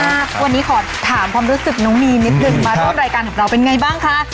ขอบคุณมากวันนี้ขอถามความรู้สึกน้องมีนิดหนึ่งมาด้านรายการของเราเป็นไงบ้างคะ